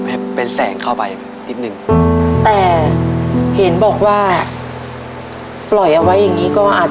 ทับผลไม้เยอะเห็นยายบ่นบอกว่าเป็นยังไงครับ